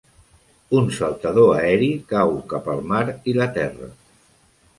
Un saltador aeri cau cap al mar i la terra.